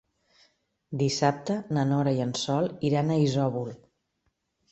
Dissabte na Nora i en Sol iran a Isòvol.